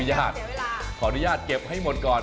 ขออนุญาตนุรเรียกไปเก็บให้หมดก่อน